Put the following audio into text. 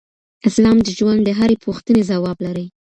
اسلام د ژوند د هرې پوښتنې ځواب لري.